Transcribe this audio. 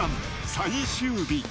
最終日。